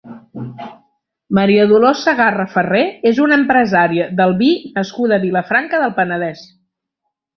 Maria Dolors Segarra Farré és una empresària del vi nascuda a Vilafranca del Penedès.